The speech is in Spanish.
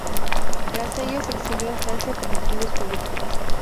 Tras ello, se exilió en Francia por motivos políticos.